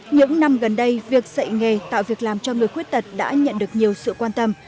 những năm gần đây việc dạy nghề tạo việc làm cho người khuyết tật đã nhận được nhiều sự quan tâm